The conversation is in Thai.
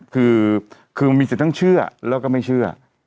คือมีสิทธิ์ทั้งเชื่อแล้วก็ไม่เชื่อ